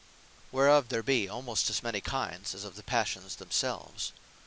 Whereof there be almost as many kinds, as of the Passions themselves.